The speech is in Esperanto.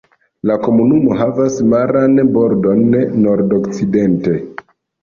La komunumo havas maran bordon nordokcidente.